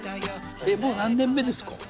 もう何年目ですか？